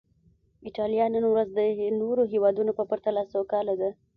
ایټالیا نن ورځ د نورو هېوادونو په پرتله سوکاله ده.